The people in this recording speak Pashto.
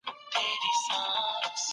هغه د سیب په خوړلو بوخت دی.